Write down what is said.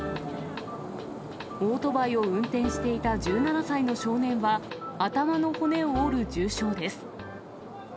オートバイを運転していた１７歳の少年は、頭の骨を折る重傷です。